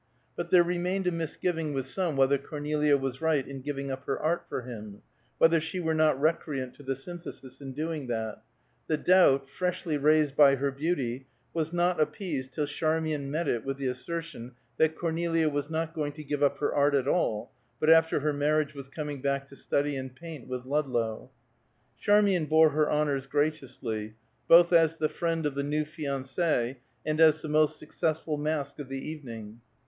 But there remained a misgiving with some whether Cornelia was right in giving up her art for him; whether she were not recreant to the Synthesis in doing that; the doubt, freshly raised by her beauty, was not appeased till Charmian met it with the assertion that Cornelia was not going to give up her art at all, but after her marriage was coming back to study and paint with Ludlow. Charmian bore her honors graciously, both as the friend of the new fiancée, and as the most successful mask of the evening.